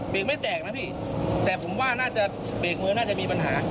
กไม่แตกนะพี่แต่ผมว่าน่าจะเบรกมือน่าจะมีปัญหา